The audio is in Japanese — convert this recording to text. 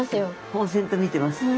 ぼう然と見てます。